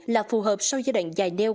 là phù hợp sau giai đoạn dài neo